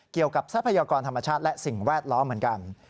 เกี่ยวกับทรัพยากรธรรมชาติและสิ่งแวดล้อเหมือนกัน